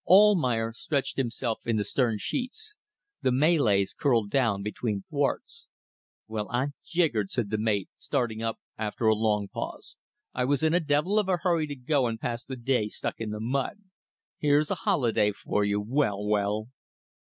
Almayer stretched himself in the stern sheets. The Malays curled down between thwarts. "Well, I'm jiggered!" said the mate, starting up after a long pause. "I was in a devil of a hurry to go and pass the day stuck in the mud. Here's a holiday for you! Well! well!"